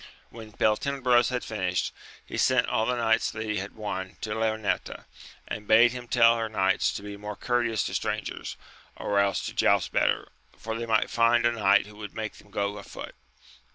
When Beltenebros had finished, he sent all the horses that he had won to Leonoreta, and bade her tell her knights to be more courteous to strangers, or else to joust better, for they might find a kuight who would make them go afoot.